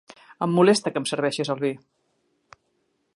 Em molesta que em serveixis el vi.